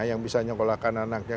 yang bisa menyokolakan anaknya